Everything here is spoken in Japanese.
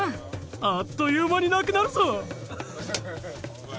あっという間になくなるぞ。